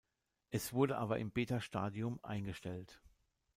Es wurde aber im Beta-Stadium eingestellt.